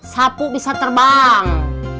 sapu bisa terbang